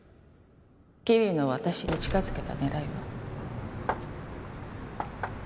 桐野を私に近づけた狙いは？